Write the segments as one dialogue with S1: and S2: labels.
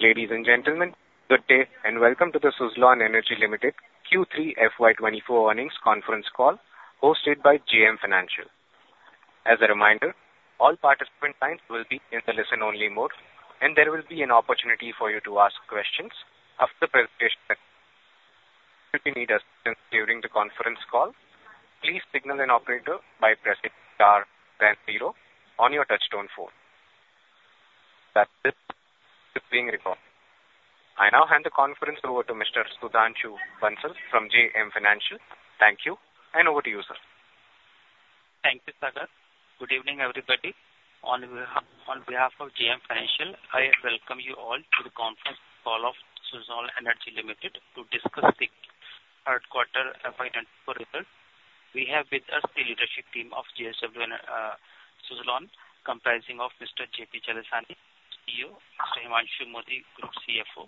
S1: Ladies and gentlemen, good day, and welcome to the Suzlon Energy Limited Q3 FY 2024 earnings conference call, hosted by JM Financial. As a reminder, all participant lines will be in the listen-only mode, and there will be an opportunity for you to ask questions after the presentation. If you need assistance during the conference call, please signal an operator by pressing star then zero on your touchtone phone. That's it, this is being recorded. I now hand the conference over to Mr. Sudhanshu Bansal from JM Financial. Thank you, and over to you, sir.
S2: Thank you, Sagar. Good evening, everybody. On behalf of JM Financial, I welcome you all to the conference call of Suzlon Energy Limited to discuss the third quarter FY24 result. We have with us the leadership team of Suzlon, comprising Mr. J.P. Chalasani, CEO, Mr. Himanshu Mody, Group CFO.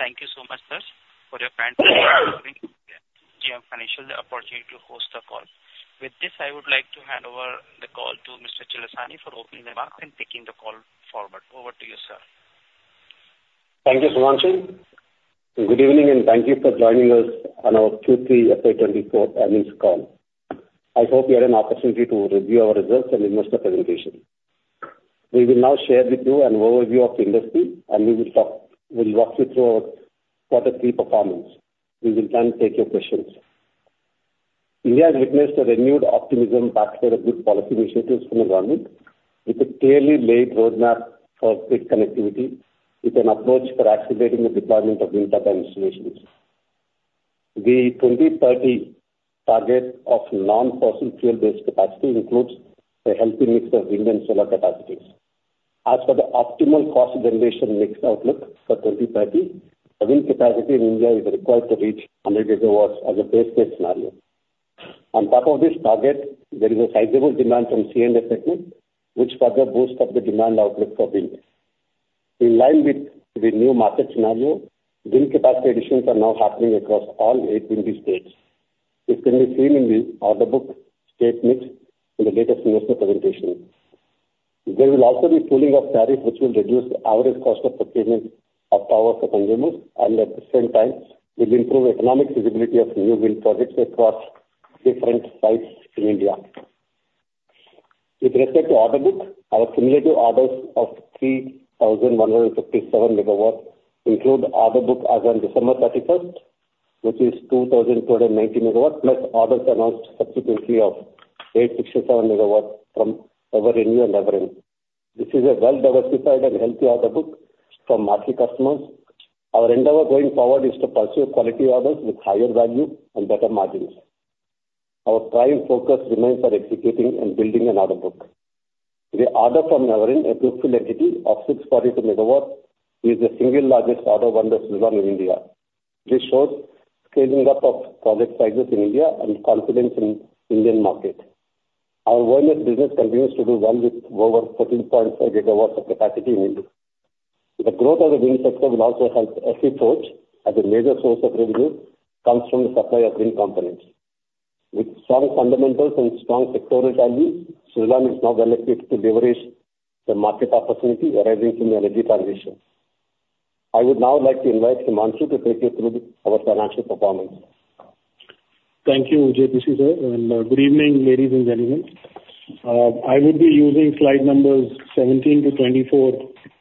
S2: Thank you so much, sirs, for giving JM Financial the opportunity to host the call. With this, I would like to hand over the call to Mr. Chalasani for opening remarks and taking the call forward. Over to you, sir.
S3: Thank you, Sudhanshu. Good evening, and thank you for joining us on our Q3 FY 2024 earnings call. I hope you had an opportunity to review our results and investor presentation. We will now share with you an overview of the industry, and we will talk... We'll walk you through our quarter three performance. We will then take your questions. India has witnessed a renewed optimism, backed by the good policy initiatives from the government, with a clearly laid roadmap for grid connectivity, with an approach for accelerating the deployment of wind power installations. The 2030 target of non-fossil fuel-based capacity includes a healthy mix of wind and solar capacities. As per the optimal cost generation mix outlook for 2030, the wind capacity in India is required to reach 100 gigawatts as a base case scenario. On top of this target, there is a sizable demand from C&I segment, which further boost up the demand outlook for wind. In line with the new market scenario, wind capacity additions are now happening across all eight windy states. This can be seen in the order book state mix in the latest investor presentation. There will also be pooling of tariff, which will reduce the average cost of procurement of power for consumers, and at the same time will improve economic feasibility of new wind projects across different sites in India. With respect to order book, our cumulative orders of 3,157 megawatts include order book as on December 31, which is 2,090 megawatts, plus orders announced subsequently of 867 megawatts from Evren and Everrenew. This is a well-diversified and healthy order book from market customers. Our endeavor going forward is to pursue quality orders with higher value and better margins. Our prime focus remains on executing and building an order book. The order from Evren, a JV entity, of 642 MW, is the single largest order won by Suzlon in India. This shows scaling up of project sizes in India and confidence in Indian market. Our wind business continues to do well with over 13.5 GW of capacity in India. The growth of the wind sector will also help OEM, as a major source of revenue comes from the supply of wind components. With strong fundamentals and strong sectoral value, Suzlon is now well placed to leverage the market opportunity arising from the energy transition. I would now like to invite Himanshu to take you through our financial performance.
S4: Thank you, J.P. Chalasani, sir, and good evening, ladies and gentlemen. I will be using slide numbers 17-24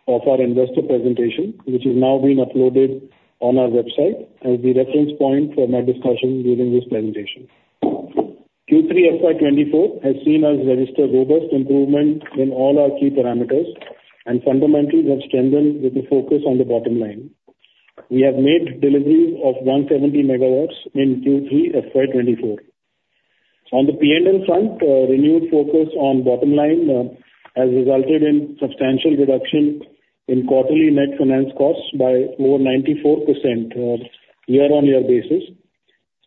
S4: of our investor presentation, which is now being uploaded on our website, as the reference point for my discussion during this presentation. Q3 FY 2024 has seen us register robust improvement in all our key parameters, and fundamentals have strengthened with the focus on the bottom line. We have made deliveries of 170 MW in Q3 FY 2024. On the P&L front, renewed focus on bottom line has resulted in substantial reduction in quarterly net finance costs by over 94%, year-on-year basis.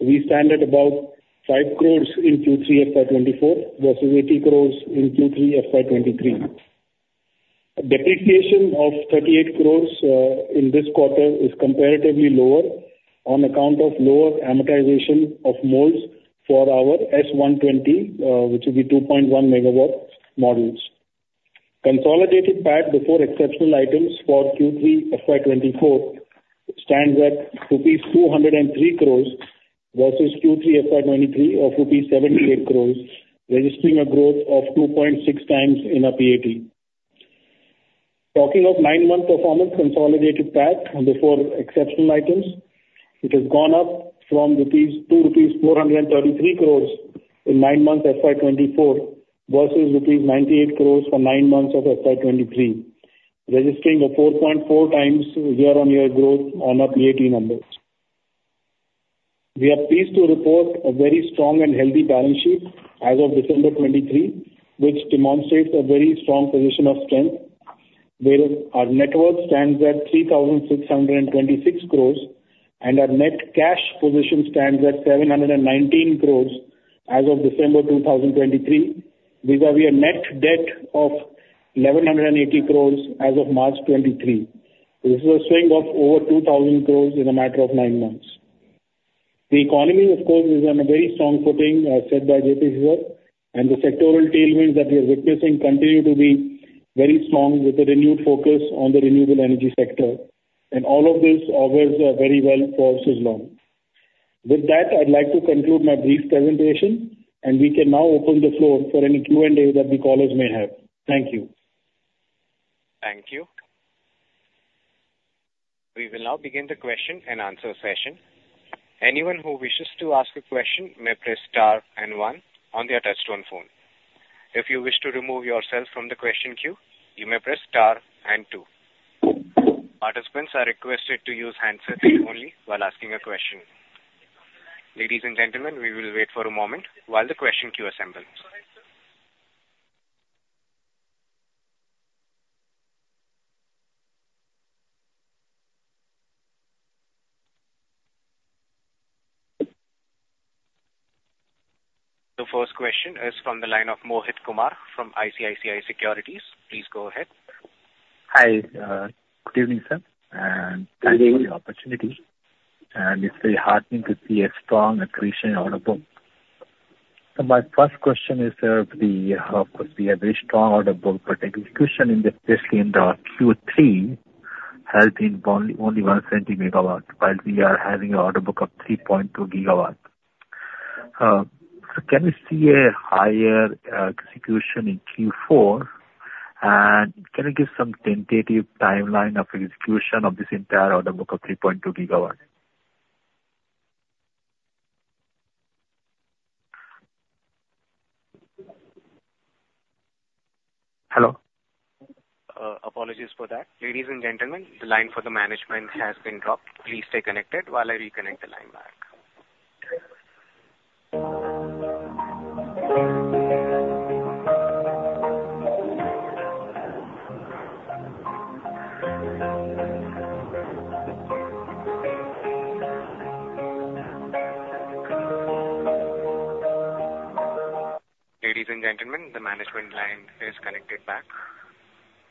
S4: We stand at about 5 crore in Q3 FY 2024 versus 80 crore in Q3 FY 2023. Depreciation of 38 crore in this quarter is comparatively lower on account of lower amortization of molds for our S120, which will be 2.1 MW modules. Consolidated PAT before exceptional items for Q3 FY 2024 stands at rupees 203 crore versus Q3 FY 2023, of rupees 78 crore, registering a growth of 2.6x in our PAT. Talking of nine-month performance, consolidated PAT and before exceptional items, it has gone up from rupees, to rupees 433 crore in nine months FY 2024 versus rupees 98 crore for nine months of FY 2023, registering a 4.4x year-on-year growth on our PAT numbers. We are pleased to report a very strong and healthy balance sheet as of December 2023, which demonstrates a very strong position of strength, where our net worth stands at 3,626 crores and our net cash position stands at 719 crores as of December 2023. Vis-à-vis a net debt of 1,180 crores as of March 2023. This is a swing of over 2,000 crores in a matter of nine months. ...The economy, of course, is on a very strong footing, as said by J.P. here, and the sectoral tailwinds that we are witnessing continue to be very strong, with a renewed focus on the renewable energy sector. All of this augurs very well for Suzlon. With that, I'd like to conclude my brief presentation, and we can now open the floor for any Q&A that the callers may have. Thank you.
S1: Thank you. We will now begin the question and answer session. Anyone who wishes to ask a question may press star and one on their touchtone phone. If you wish to remove yourself from the question queue, you may press star and two. Participants are requested to use handsets only while asking a question. Ladies and gentlemen, we will wait for a moment while the question queue assembles. The first question is from the line of Mohit Kumar from ICICI Securities. Please go ahead.
S5: Hi, good evening, sir, and-
S3: Good evening.
S5: Thank you for the opportunity. And it's very heartening to see a strong accretion order book. So my first question is, sir, the, of course, we have a very strong order book, but execution, in especially in the Q3, has been only, only 170 MW, while we are having an order book of 3.2 GW. So can we see a higher execution in Q4? And can you give some tentative timeline of execution of this entire order book of 3.2 GW? Hello?
S1: Apologies for that. Ladies and gentlemen, the line for the management has been dropped. Please stay connected while I reconnect the line back. Ladies and gentlemen, the management line is connected back.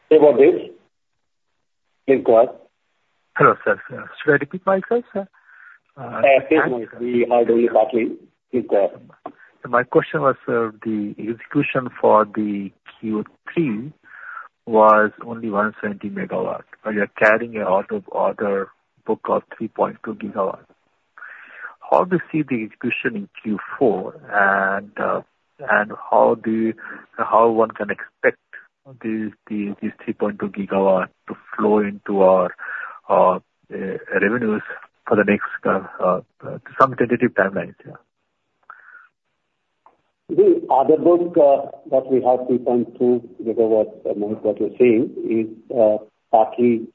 S3: Hey, Mohit. Please go ahead.
S5: Hello, sir. Should I repeat myself, sir?
S3: Please, we heard you partly. Please go ahead.
S5: My question was, the execution for Q3 was only 170 MW, but you're carrying an outstanding order book of 3.2 GW. How do you see the execution in Q4, and, and how do you... how one can expect these, these, these 3.2 GW to flow into our revenues for the next, some tentative timelines, yeah?
S3: The order book that we have 3.2 GW, Mohit, what you're saying is, partly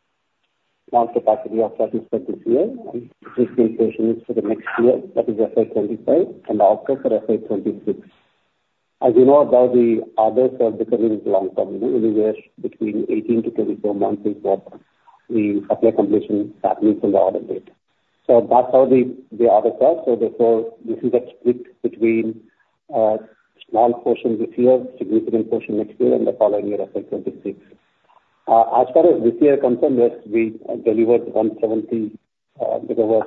S3: most a part of your for this year, and this is for the next year, that is FY 2025 and also for FY 2026. As you know, about the orders are becoming long term, in the years between 18-24 months is what the supply completion happens in the order date. So that's how the orders are. So therefore, this is a split between, small portion this year, significant portion next year, and the following year, FY 2026. As far as this year is concerned, yes, we delivered 170 GW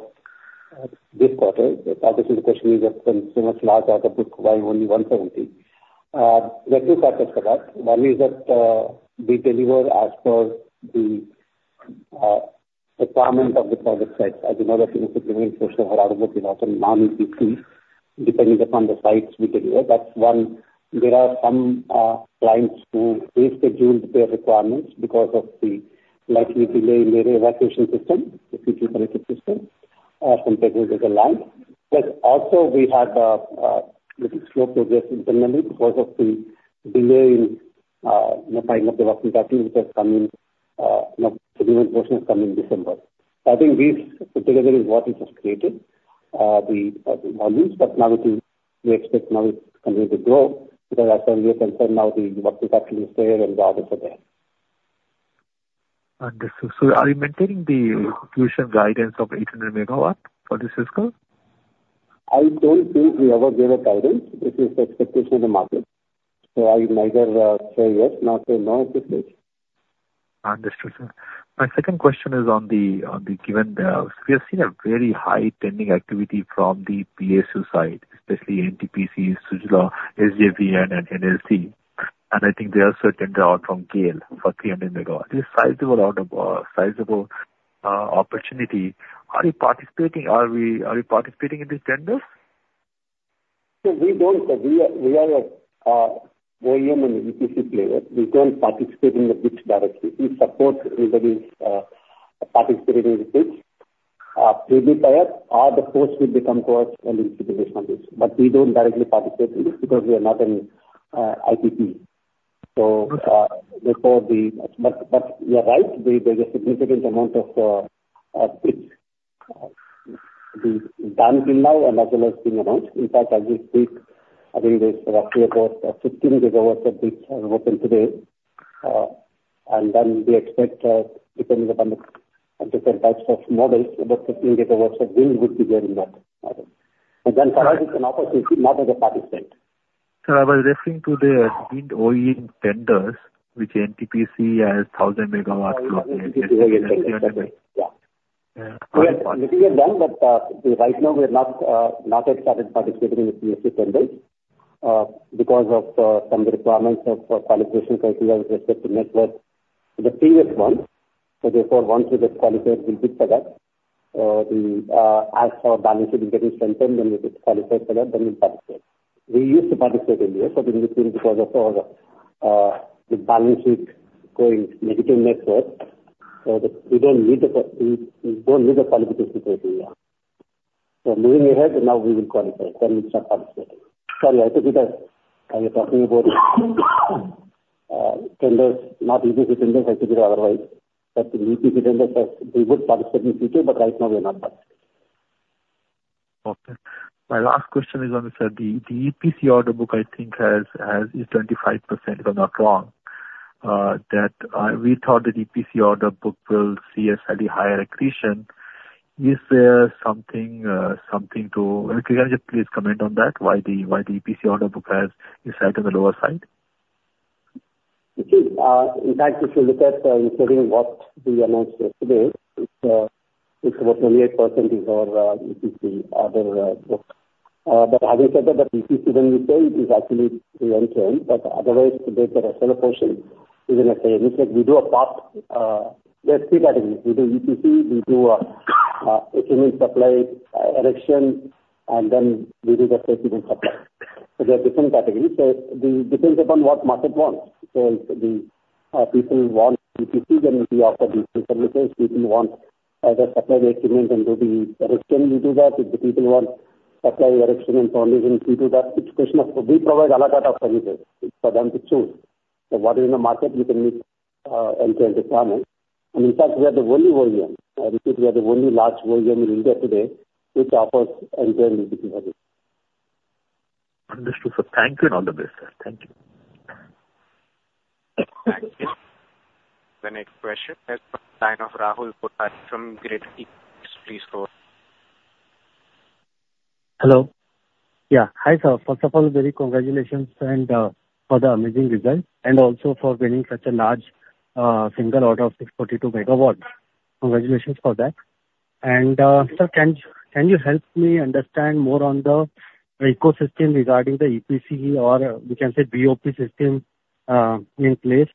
S3: this quarter. Obviously, the question is, from so much large order book, why only 170? There are two factors for that. One is that, we deliver as per the requirement of the project sites. As you know that in a significant portion of our order book is also non-EPC, depending upon the sites we deliver. That's one. There are some clients who rescheduled their requirements because of the likely delay in their evacuation system, the EPC system, from time to time. But also we had little slow progress in the memory because of the delay in, you know, time of the working party, which has come in, you know, significant portion has come in December. I think these put together is what is created, the volumes, but now it is, we expect now it continue to grow, because as far we are concerned now, the work is actually there and the orders are there.
S5: Understood. So are you maintaining the execution guidance of 800 megawatt for this fiscal?
S3: I don't think we ever gave a guidance. This is the expectation of the market. So I neither say yes nor say no at this stage.
S5: Understood, sir. My second question is on the given. We have seen a very high trending activity from the PSU side, especially NTPC, Suzlon, SJVN and NLC. And I think they also tender out from KL for 300 MW. It's a sizable amount of opportunity. Are you participating? Are we participating in these tenders?
S3: So we don't, we are a OEM and EPC player. We don't participate in the bids directly. We support anybody's participating in the bids, maybe buyer or the force will become force and implementation of this. But we don't directly participate in this because we are not an IPP. But you are right, there's a significant amount of bids been done till now and as well as being announced. In fact, as we speak, I think there's roughly about 15 gigawatts of bids are open today. And then we expect, depending upon the different types of models, about 15 gigawatts of wind would be there in that model. And then perhaps it's an opportunity, not as a participant....
S5: Sir, I was referring to the wind OE tenders, which NTPC has 1,000 MW of-
S3: Yeah. We have done, but right now we have not yet started participating in PPA tenders because of some requirements of qualification criteria with respect to net worth, the previous one. So therefore, once we get qualified, we'll bid for that. As our balance sheet is getting strengthened, when we get qualified for that, then we'll participate. We used to participate earlier, but in between, because of our balance sheet going negative net worth, so we don't meet the, we don't meet the qualification criteria. So moving ahead, now we will qualify, then we'll start participating. Sorry, I think that I was talking about tenders, not EPC tenders, I think otherwise. But the EPC tenders, we would participate in future, but right now we are not participating.
S5: Okay. My last question is on, sir, the EPC order book I think has 25%, if I'm not wrong. That we thought that EPC order book will see a slightly higher accretion. Is there something? Can you just please comment on that? Why the EPC order book is set on the lower side?
S3: Okay. In fact, if you look at, considering what we announced yesterday, it's, it's about 28% is our EPC order book. But having said that, the EPC business is actually year-on-year, but otherwise, there's a smaller portion is in EPC. It's like we do a part, there are three categories: We do EPC, we do equipment supply, erection, and then we do the principal supply. So they're different categories. So it depends upon what market wants. So if the people want EPC, then we offer the EPC services. People want either supply the equipment and do the erection, we do that. If the people want supply, erection, and foundation, we do that. It's a question of we provide a lot of services for them to choose. So what is in the market, we can meet end-to-end requirement. In fact, we are the only OEM, we are the only large OEM in India today, which offers end-to-end EPC services.
S5: Understood, sir. Thank you, and all the best, sir. Thank you.
S3: Thank you.
S1: The next question is from the line of Rahul Kotak from Credit Suisse. Please go ahead.
S6: Hello. Yeah. Hi, sir, first of all, very congratulations, and for the amazing result, and also for winning such a large single order of 642 megawatts. Congratulations for that. And sir, can you help me understand more on the ecosystem regarding the EPC or we can say BOP system in place,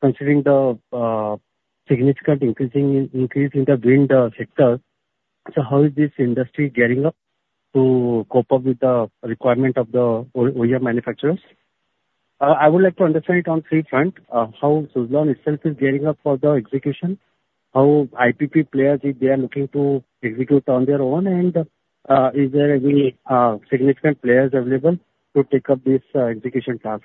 S6: considering the significant increase in the wind sector. So how is this industry gearing up to cope up with the requirement of the OEM manufacturers? I would like to understand it on three fronts: how Suzlon itself is gearing up for the execution, how IPP players, if they are looking to execute on their own, and is there any significant players available to take up this execution task?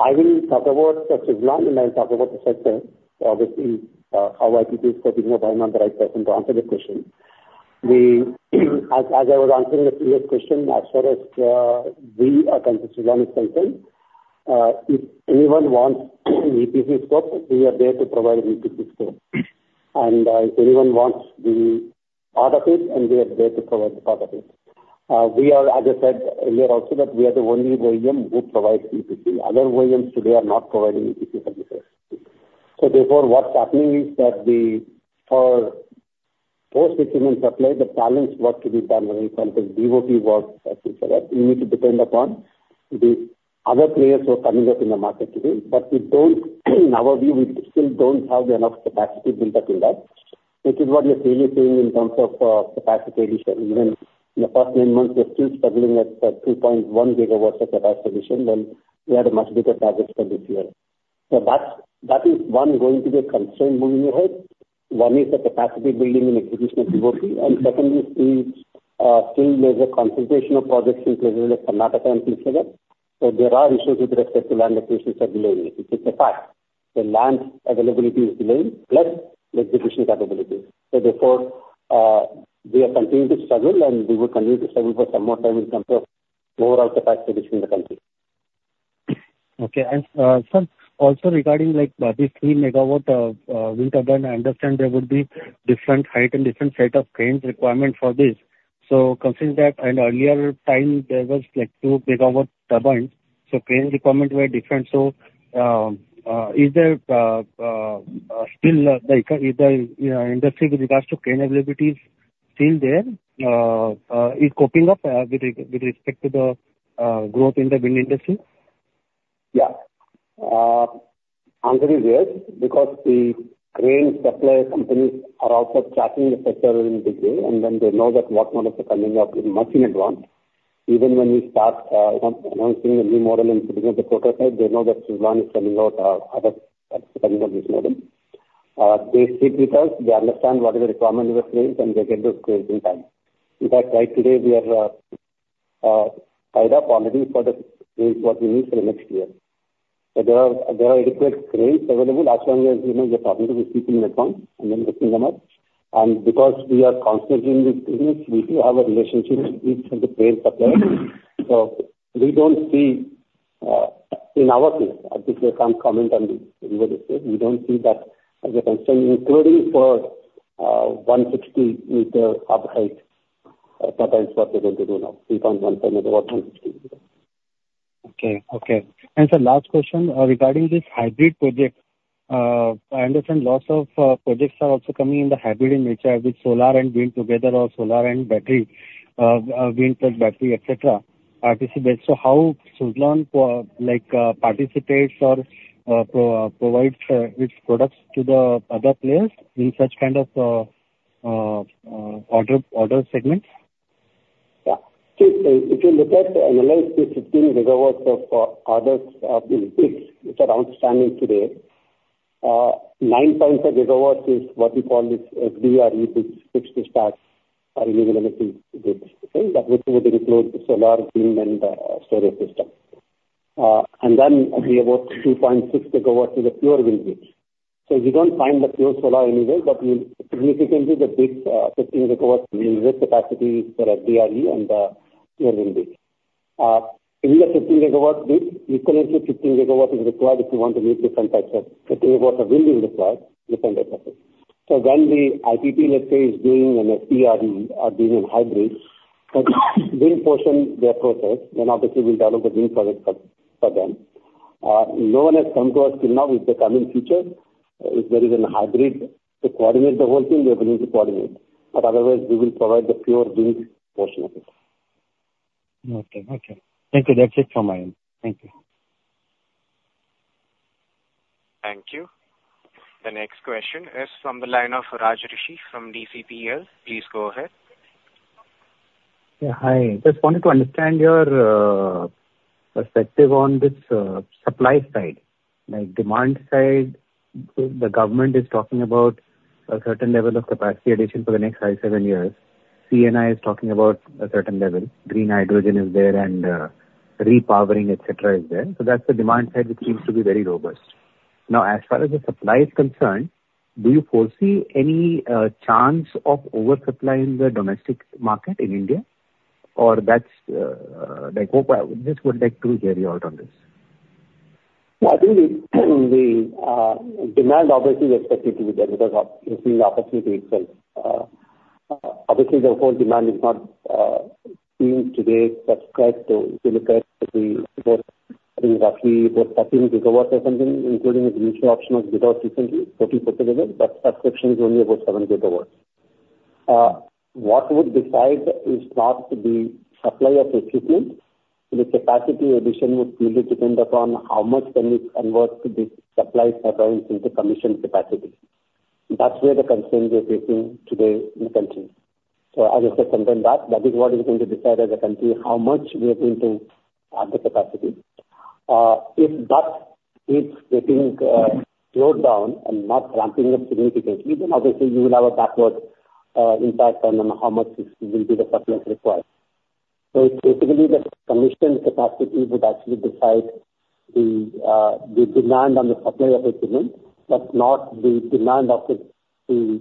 S3: I will talk about Suzlon, and I'll talk about the sector. Obviously, how IPP is coping up, I am not the right person to answer the question. We, as I was answering the previous question, as far as we are concerned, Suzlon is concerned, if anyone wants EPC scope, we are there to provide EPC scope. And, if anyone wants the other piece, and we are there to provide the other piece. We are, as I said earlier also, that we are the only OEM who provides EPC. Other OEMs today are not providing EPC services. So therefore, what's happening is that for post equipment supply, the balance work to be done, for instance, BOP work, et cetera, we need to depend upon the other players who are coming up in the market today. But we don't, in our view, we still don't have enough capacity built up in that. This is what we are really seeing in terms of capacity addition. Even in the first nine months, we are still struggling at 2.1 gigawatts of capacity addition, and we had a much bigger target for this year. So that's, that is one, going to be a concern moving ahead. One is the capacity building and execution of BOP, and secondly, still there's a concentration of projects in places like Karnataka and so forth. So there are issues with respect to land acquisitions are delayed, which is a fact. The land availability is delayed, plus the execution capability. So therefore, we are continuing to struggle, and we will continue to struggle for some more time in terms of overall capacity within the country.
S6: Okay. And, sir, also regarding like, the 3-megawatt wind turbine, I understand there would be different height and different set of cranes requirement for this. So considering that, and earlier time, there was like 2-megawatt turbines, so crane requirement were different. So, is there still, like, is the industry with regards to crane availability still there? Is coping up with re- with respect to the growth in the wind industry?
S3: Yeah. Answer is yes, because the crane supply companies are also tracking the sector in a big way, and then they know that what model is coming up much in advance. Even when we start announcing a new model and putting up the prototype, they know that Suzlon is coming out at the time of this model. They stick with us, they understand what is the requirement of the cranes, and they get those cranes in time. In fact, right today, we are either up already for the cranes what we need for the next year. So there are adequate cranes available. As long as, you know, we are talking to the people in advance and then picking them up. And because we are constantly in the business, we still have a relationship with each of the crane suppliers. So we don't see, in our case, at least I can't comment on the other state, we don't see that as a concern, including for 160-meter hub height. That is what we're going to do now, 3.15 megawatt.
S6: Okay. Okay. And sir, last question, regarding this hybrid project. I understand lots of projects are also coming in the hybrid in nature, with solar and wind together or solar and battery, wind plus battery, et cetera, RTC-based. So how Suzlon, like, participates or provides its products to the other players in such kind of order segments?
S3: Yeah. So if you look at, analyze the 15 gigawatts of orders, in which, which are outstanding today, 9.5 gigawatts is what we call this FDRE, which fixed the stacks, are renewable energy grids, okay? That which would include the solar, wind, and storage system. And then there about 2.6 gigawatts is a pure wind. So we don't find the pure solar anywhere, but we'll significantly the big 15 gigawatts in this capacity for DRE and pure wind. In the 15 gigawatts grid, we connected 15 gigawatts is required if you want to meet different types of 15 gigawatts of wind is required, different capacity. So when the IPP, let's say, is doing an ERD or doing a hybrid, wind portion their process, then obviously we'll develop the wind project for them. No one has come to us till now; it's a coming future. If there is a hybrid to coordinate the whole thing, we are going to coordinate, but otherwise we will provide the pure wind portion of it.
S6: Okay. Okay. Thank you. That's it from my end. Thank you.
S1: Thank you. The next question is from the line of Raj Rishi from DCPL. Please go ahead.
S7: Yeah, hi. Just wanted to understand your perspective on this supply side. Like demand side, the government is talking about a certain level of capacity addition for the next 5-7 years. C&I is talking about a certain level, green hydrogen is there and repowering, et cetera, is there. So that's the demand side, which seems to be very robust. Now, as far as the supply is concerned, do you foresee any chance of oversupplying the domestic market in India? Or that's like—I just would like to hear you out on this.
S3: Yeah, I think the demand obviously is expected to be there because of increasing the opportunity itself. Obviously the whole demand is not seen today subscribed to, if you look at the, I think roughly about 13 gigawatts or something, including the initial optional gigawatts recently, 44 together, but subscription is only about 7 gigawatts. What would decide is not the supply of equipment, the capacity addition would really depend upon how much can we convert this supply pipeline into commission capacity. That's where the concern we are facing today in the country. So as I said something, that is what is going to decide as a country, how much we are going to add the capacity. If that is getting slowed down and not ramping up significantly, then obviously you will have a backward impact on how much will be the surplus required. So basically, the commissioned capacity would actually decide the demand on the supply of equipment, but not the demand of the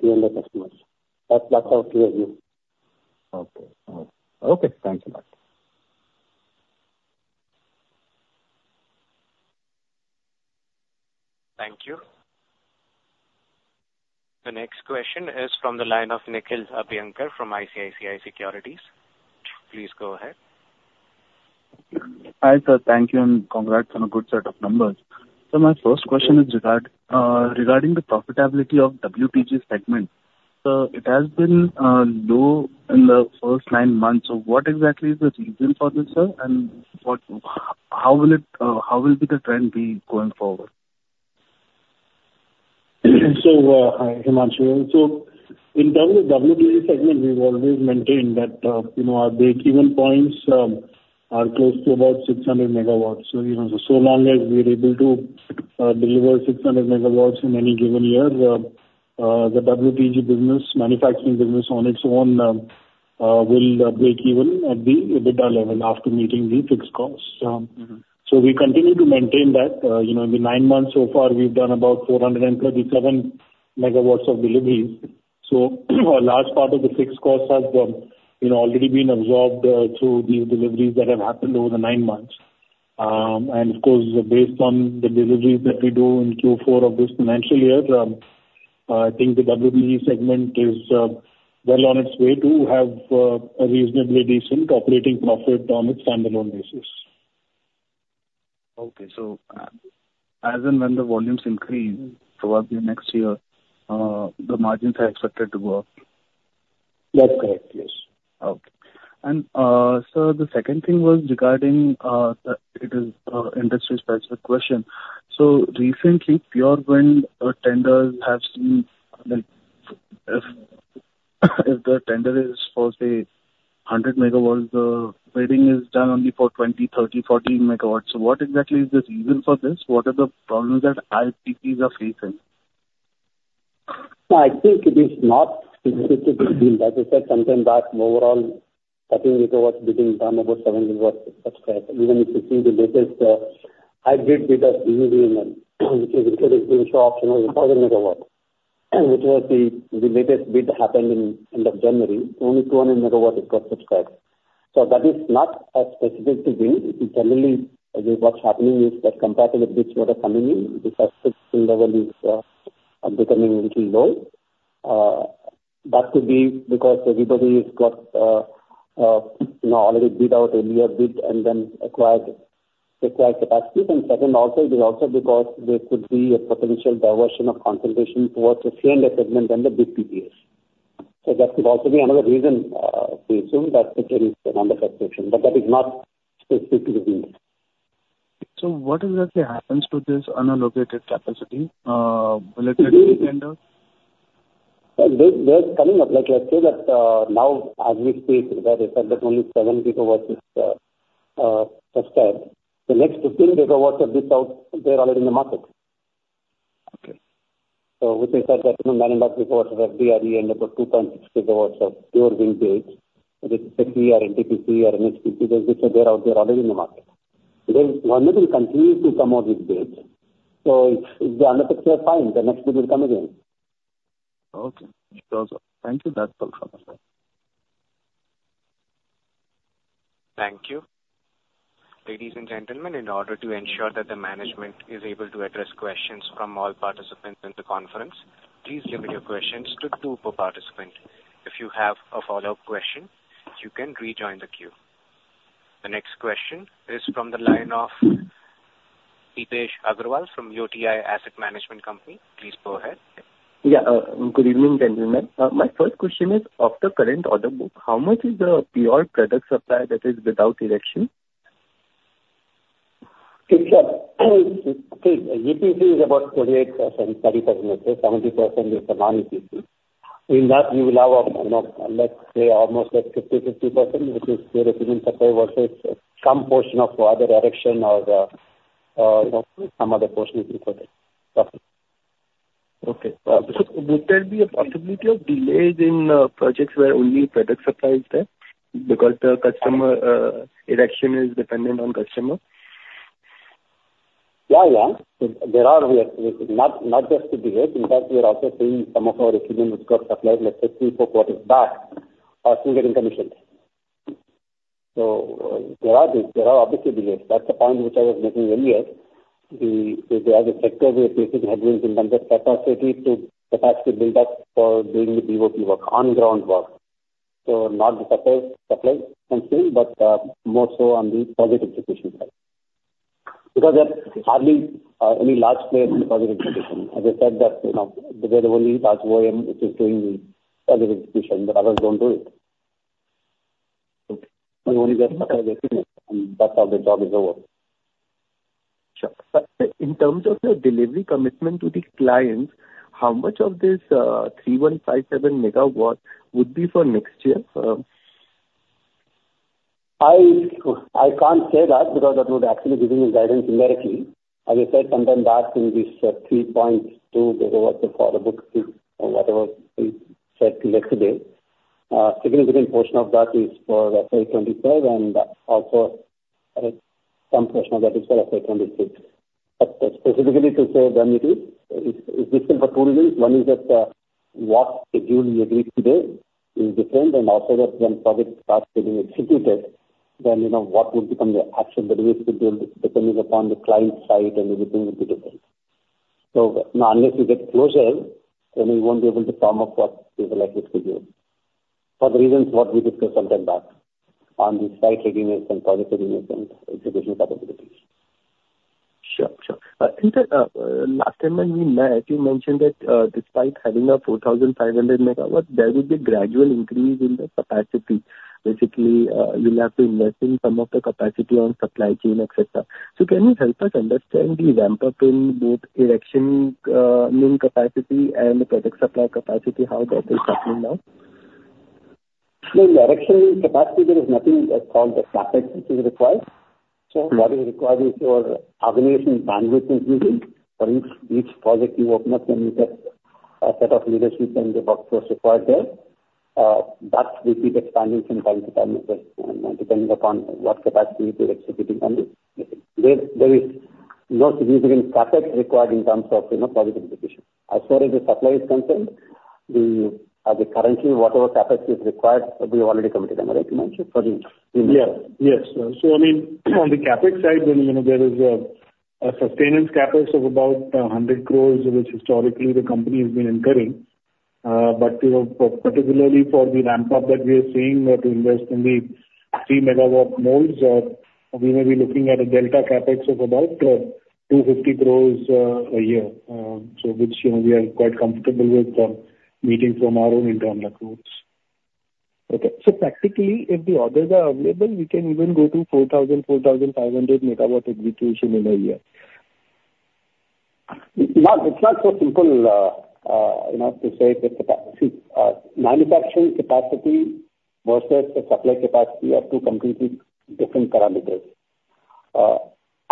S3: final customers. That's our clear view.
S7: Okay. Okay, thanks a lot.
S1: Thank you. The next question is from the line of Nikhil Abhyankar from ICICI Securities. Please go ahead.
S8: Hi, sir. Thank you, and congrats on a good set of numbers. So my first question is regarding the profitability of WPG segment. So it has been low in the first nine months. So what exactly is the reason for this, sir? And how will the trend be going forward?
S3: So, hi, Himanshu. So in terms of WPG segment, we've always maintained that, you know, our breakeven points are close to about 600 megawatts. So, you know, so long as we're able to deliver 600 megawatts in any given year, the WPG business, manufacturing business on its own, will break even at the EBITDA level after meeting the fixed costs.
S8: Mm-hmm.
S3: So we continue to maintain that. You know, in the nine months so far, we've done about 437 megawatts of deliveries. So a large part of the fixed costs have, you know, already been absorbed, through these deliveries that have happened over the nine months. And of course, based on the deliveries that we do in Q4 of this financial year, I think the WPG segment is, well on its way to have, a reasonably decent operating profit on its standalone basis.
S8: Okay. So, as and when the volumes increase, probably next year, the margins are expected to go up?
S3: That's correct. Yes.
S8: Okay. And, sir, the second thing was regarding, the, it is, industry-specific question. So recently, pure wind, tenders have seen, like, if the tender is for, say, 100 megawatts, the bidding is done only for 20, 30, 14 megawatts. So what exactly is the reason for this? What are the problems that IPPs are facing?
S3: No, I think it is not specific to bid. Like I said sometime back, overall, I think gigawatts bidding time about 7 gigawatts is subscribed. Even if you see the latest, hybrid bidders coming in, which is instead of doing 2,000 megawatts.... and which was the, the latest bid that happened in end of January, only 200 megawatts got subscribed. So that is not specific to wind. It is generally, what's happening is that compared to the bids that are coming in, the subscription level is, are becoming little low. That could be because everybody's got, you know, already bid out earlier bid and then acquired, acquired capacity. And second, also, it is also because there could be a potential diversion of concentration towards the same segment and the big PPA. So that could also be another reason, we assume that there is under-subscription, but that is not specific to the wind.
S8: So what exactly happens to this unallocated capacity, will it get abandoned?
S3: Well, they're coming up. Like I say that, now as we speak, where I said that only 7 gigawatts is subscribed, the next 15 gigawatts of this out, they're already in the market.
S8: Okay.
S3: So which is said that, you know, many megawatts of FDRE and about 2.6 gigawatts of pure wind bids, whether it's NTPC or SECI, those which are there, out there already in the market. There is, one will continue to come out with bids. So if the overall picture is fine, the next bid will come again.
S8: Okay. Thank you. That's all for now.
S1: Thank you. Ladies and gentlemen, in order to ensure that the management is able to address questions from all participants in the conference, please limit your questions to two per participant. If you have a follow-up question, you can rejoin the queue. The next question is from the line of Deepesh Agarwal from UTI Asset Management Company. Please go ahead.
S9: Yeah. Good evening, gentlemen. My first question is, of the current order book, how much is the pure product supply that is without erection?
S3: It's okay, EPC is about 28%-30%. So 70% is the non-EPC. In that, you will have a, you know, let's say almost like 50/50%, which is in the supply versus some portion of other erection or, you know, some other portion is before that.
S9: Okay. So would there be a possibility of delays in projects where only product supply is there because the customer erection is dependent on customer?
S3: Yeah, yeah. So not, not just to delays. In fact, we are also seeing some of our customers which got supplied, let's say three, four quarters back, are still getting commissioned. So there are delays. There are obviously delays. That's the point which I was making earlier. There are the sectors where facing headwinds in terms of capacity to capacity build up for doing the BOP work, on-the-ground work. So not the supply, supply chain, but more so on the project execution side. Because there are hardly any large players in the project execution. As I said, that, you know, they are the only large OEM which is doing the project execution, the others don't do it. Okay? We only get suppliers, and that's how the job is over.
S9: Sure. But in terms of your delivery commitment to the clients, how much of this 3,157 megawatt would be for next year?
S3: I can't say that, because that would actually be giving you guidance numerically. As I said, some of that in this 3.2 gigawatts of order book is whatever we said yesterday. Significant portion of that is for FY 2023, and also, some portion of that is for FY 2026. But specifically to say when it is, it's difficult for two reasons. One is that, what schedule we agreed today is different, and also that when project starts getting executed, then, you know, what would become the actual delivery schedule, depending upon the client side and everything, will be different. So, now, unless you get closer, then we won't be able to come up what is likely to do. For the reasons what we discussed sometime back on the site agreements and project agreements and execution capabilities.
S9: Sure. Sure. In the last time when we met, you mentioned that, despite having a 4,500 MW, there will be a gradual increase in the capacity. Basically, you'll have to invest in some of the capacity on supply chain, et cetera. So can you help us understand the ramp up in both erection, wind capacity and the product supply capacity? How that is happening now?
S3: So erection capacity, there is nothing as called the capacity is required. So what is required is your organization bandwidth increasing. For each project you open up, then you get a set of leadership and the workforce required there. That's the key expansion time to time, depending upon what capacity you're executing on it. There is no significant CapEx required in terms of, you know, project execution. As far as the supply is concerned, we, as of currently, whatever capacity is required, we already committed, am I right, Manju, for the-
S4: Yes, yes. So I mean, on the CapEx side, then, you know, there is a sustenance CapEx of about 100 crore, which historically the company has been incurring. But, you know, particularly for the ramp up that we are seeing, that we invest in the 3-megawatt molds, we may be looking at a delta CapEx of about 250 crore a year. So which, you know, we are quite comfortable with meeting from our own internal crores.
S9: Okay. So practically, if the orders are available, we can even go to 4,000 MW-4,500 MW execution in a year?
S3: It's not so simple, you know, to say the capacity. See, manufacturing capacity versus the supply capacity are two completely different parameters.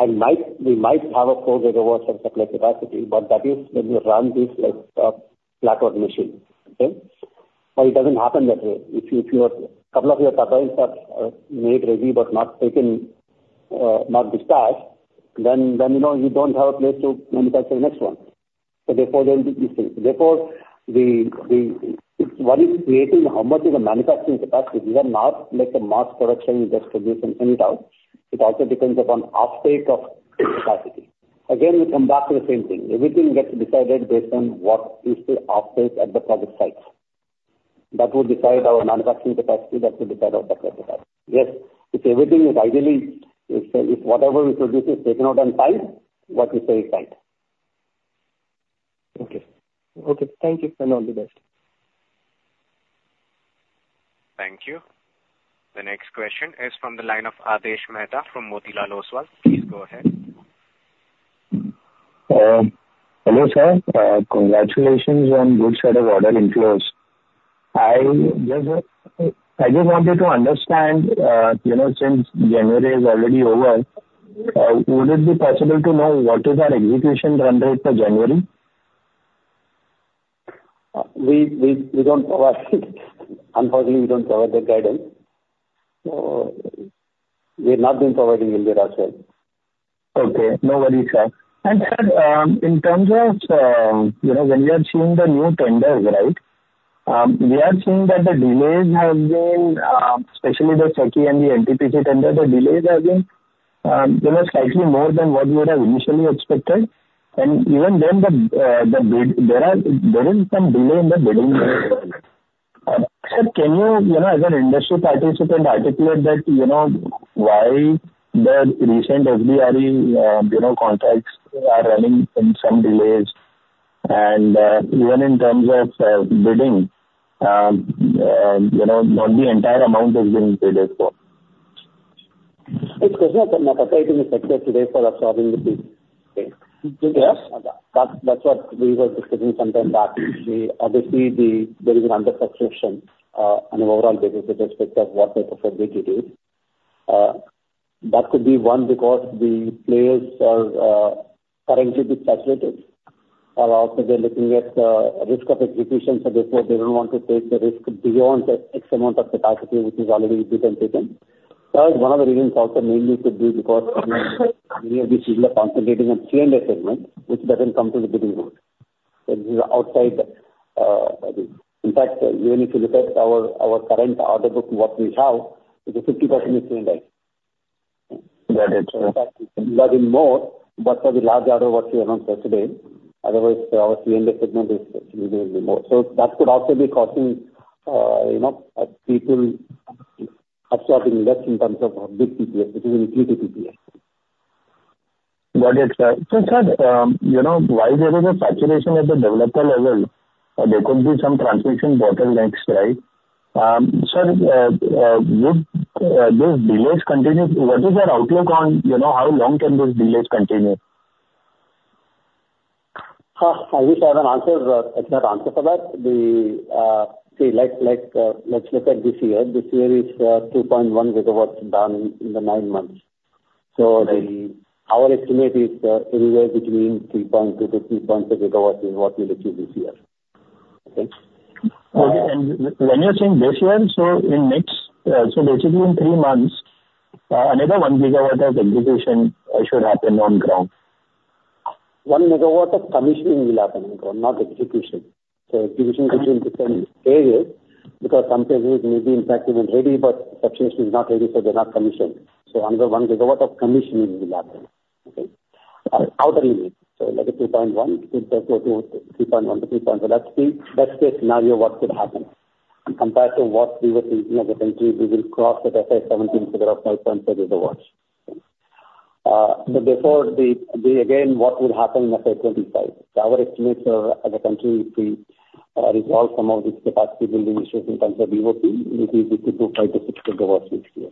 S3: We might have 4 GW of supply capacity, but that is when you run this like a platform machine, okay? But it doesn't happen that way. If a couple of your suppliers are made ready but not taken, not dispatched, then, you know, you don't have a place to manufacture the next one. So therefore, there will be missing. Therefore, it's what is creating how much is a manufacturing capacity. These are not like a mass production you just produce and send it out. It also depends upon offtake of capacity. Again, we come back to the same thing. Everything gets decided based on what is the offtake at the project sites. That will decide our manufacturing capacity, that will decide our capacity. Yes, if everything is ideally, if, if whatever we produce is taken out on time, what you say is right.
S9: Okay. Okay, thank you, and all the best.
S1: Thank you. The next question is from the line of Aadesh Mehta from Motilal Oswal. Please go ahead.
S10: Hello, sir. Congratulations on good set of order inflows. I just, I just wanted to understand, you know, since January is already over, would it be possible to know what is our execution run rate for January?
S3: We don't provide, unfortunately. We don't provide that guidance. So we've not been providing in the past as well.
S10: Okay, no worries, sir. And sir, in terms of, you know, when we are seeing the new tenders, right? We are seeing that the delays have been, especially the SECI and the NTPC tender, the delays have been, you know, slightly more than what we would have initially expected. And even then, the, the bid, there is some delay in the bidding. Sir, can you, you know, as an industry participant, articulate that, you know, why the recent SBRE, you know, contracts are running in some delays, and, even in terms of, bidding, you know, not the entire amount is being bid for?
S3: It's because of the appetite in the sector today for absorbing the bid.
S10: Yes.
S3: That's, that's what we were discussing sometime back. Obviously, there is an undersubscription, on an overall basis with respect of what they prefer to do. That could be one, because the players are, currently bit saturated, or also they're looking at, risk of execution, so therefore they don't want to take the risk beyond the X amount of capacity, which is already bit uncertain. So one of the reasons also mainly could be because we have been simply concentrating on C&I segment, which doesn't come to the bidding board. So this is outside... In fact, even if you look at our, our current order book, what we have, it is 50% C&I.
S10: Got it, sir.
S3: Even more, but for the large order what we announced yesterday, otherwise our C&I segment is actually more. So that could also be causing, you know, people absorbing less in terms of big PPAs, which is utility PPAs.
S10: Got it, sir. So, sir, you know, while there is a saturation at the developer level, there could be some transmission bottlenecks, right? Sir, with those delays continue, what is your outlook on, you know, how long can those delays continue?
S3: I wish I have an answer, exact answer for that. See, let's look at this year. This year is 2.1 gigawatts done in the nine months. So the... Our estimate is anywhere between 3.2-3.5 gigawatts is what we'll achieve this year. Okay?
S10: When you're saying this year, so in next, so let's say in three months, another one gigawatt of execution should happen on ground.
S3: 1 MW of commissioning will happen on ground, not execution. So execution is a different area, because sometimes it may be in fact even ready, but substation is not ready, so they're not commissioned. So under 1 GW of commissioning will happen. Okay? Out of 3. So like a 2.1, 2.1 to 3.0, so that's the best case scenario what could happen, compared to what we were thinking as a country, we will cross the FY 2017 figure of 9.5 GW. But before the, the again, what will happen in FY 2025? Our estimates are, as a country, if we resolve some of these capacity building issues in terms of DNO, it is, it could go 5-6 GW next year.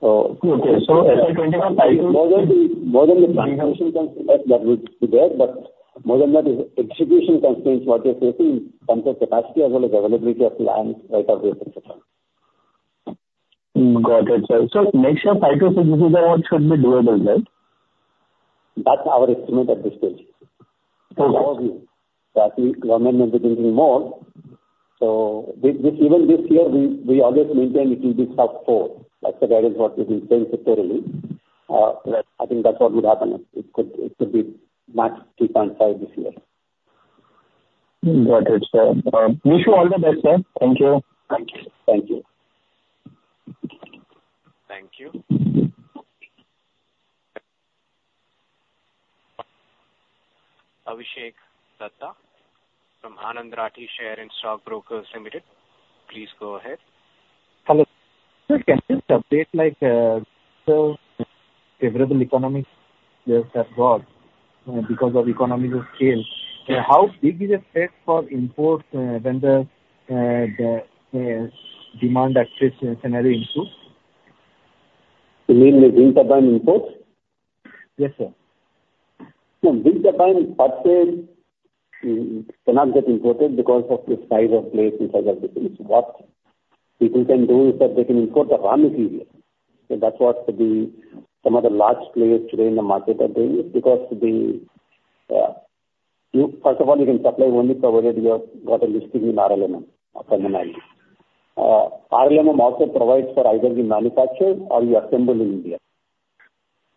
S3: So-
S10: Okay, so...
S3: More than the planning constraints that would be there, but more than that is execution constraints what we're facing in terms of capacity as well as availability of land, right of way, et cetera.
S10: Mm, got it, sir. So next year, 5-6 gigawatts should be doable, right?
S3: That's our estimate at this stage.
S10: Mm.
S3: From our view. Actually, government may be thinking more. So this even this year, we always maintain it will be top four, like the guidance what we've been saying quarterly. That, I think that's what would happen. It could be max 3.5 this year.
S10: Got it, sir. Wish you all the best, sir. Thank you.
S3: Thank you. Thank you.
S1: Thank you. Abhishek Dutta from Anand Rathi Share and Stock Brokers Limited. Please go ahead.
S11: Hello. Sir, can you just update, like, so favorable economics have got because of economies of scale. How big is the space for import when the demand access scenario improves?
S3: You mean the turbine imports?
S11: Yes, sir.
S3: No, turbine per se cannot get imported because of the size of blades and size of the piece. What people can do is that they can import the raw material. So that's what some of the large players today in the market are doing, because first of all, you can supply only provided you have got a listing in RLM from MNRE. RLM also provides for either you manufacture or you assemble in India.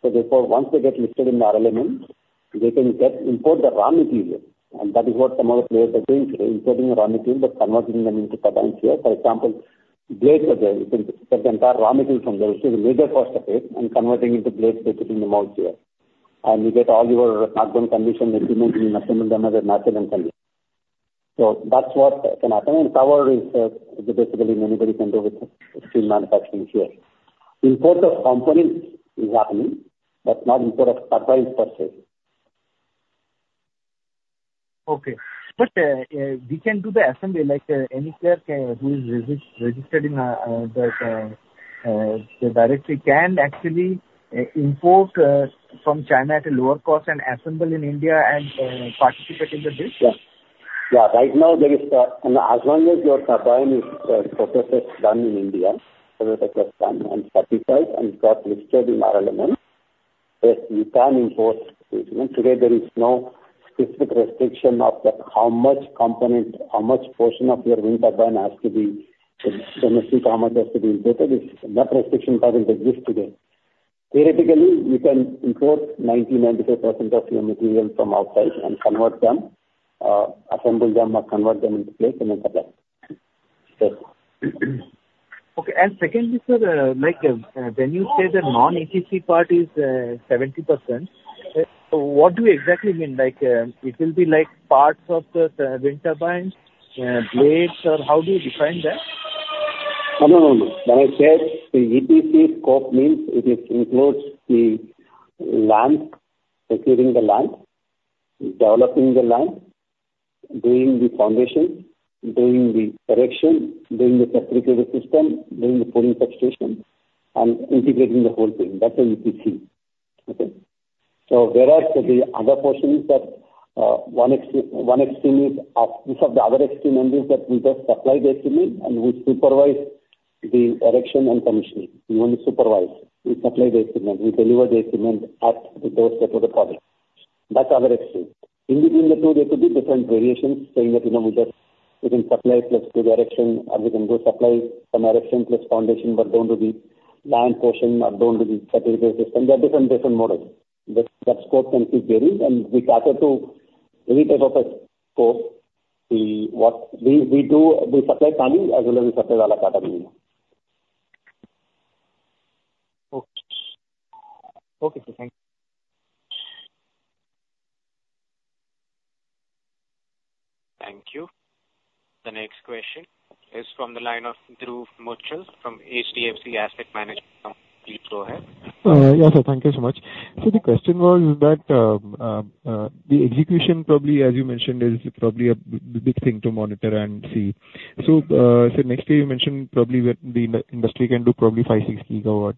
S3: So therefore, once they get listed in RLM, they can import the raw material, and that is what some of the players are doing today, importing the raw material, but converting them into turbines here. For example, blades are there. You can get the entire raw material from there, which is major cost of it, and converting into blades, putting them out here. And you get all your components and erection equipment and assemble them as a nacelle and tower. So that's what can happen, and power is basically anybody can do the downstream manufacturing here. Import of components is happening, but not import of turbines per se.
S11: Okay. But we can do the assembly like any clerk can who is registered in that the directory can actually import from China at a lower cost and assemble in India and participate in the bid?
S3: Yeah. Yeah, right now there is... As long as your turbine is processes done in India, so that is done and certified and got listed in RLM, yes, you can import equipment. Today, there is no specific restriction of that, how much component, how much portion of your wind turbine has to be domestic, how much has to be imported. It's, that restriction doesn't exist today. Theoretically, you can import 90%-95% of your material from outside and convert them, assemble them or convert them into place and then turbine. Yes.
S11: Okay. And secondly, sir, like, when you say the non-EPC part is 70%, what do you exactly mean? Like, it will be like parts of the wind turbines, blades, or how do you define that?
S3: No, no, no, no. When I said the EPC scope means it includes the land, securing the land, developing the land, doing the foundation, doing the erection, doing the fabricated system, doing the full substation, and integrating the whole thing. That's an EPC. Okay? So there are the other portions that one extreme is, the other extreme means that we just supply the equipment, and we supervise the erection and commissioning. We only supervise. We supply the equipment, we deliver the equipment at the doorstep of the project. That's other extreme. In between the two, there could be different variations, saying that, you know, we just, we can supply plus do direction, or we can do supply, some erection plus foundation, but don't do the land portion or don't do the fabricated system. There are different models. That scope can keep varying, and we cater to any type of a scope. We do the supply chain as well as we supply the whole turbine.
S11: Okay. Okay, sir, thank you.
S1: Thank you. The next question is from the line of Dhruv Muchhal from HDFC Asset Management. Please go ahead.
S12: Yeah, sir. Thank you so much. So the question was that, the execution, probably, as you mentioned, is probably a big thing to monitor and see. So next year, you mentioned probably that the industry can do probably 5-6 GW.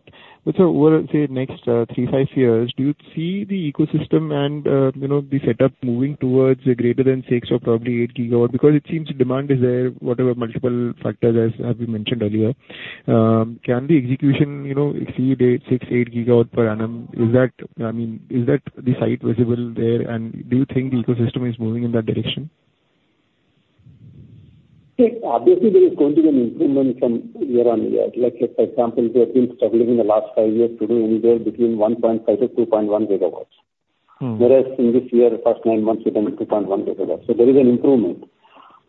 S12: But so over, say, next 3-5 years, do you see the ecosystem and, you know, the setup moving towards greater than 6 or probably 8 GW? Because it seems demand is there, whatever multiple factors as have been mentioned earlier. Can the execution, you know, exceed 6-8 GW per annum? Is that, I mean, is that the sight visible there, and do you think the ecosystem is moving in that direction?
S3: See, obviously, there is going to be an improvement from year-on-year. Like, for example, we have been struggling in the last five years to do anywhere between 1.5-2.1 GW.
S12: Mm-hmm.
S3: Whereas in this year, first nine months, we've done 2.1 gigawatts. So there is an improvement.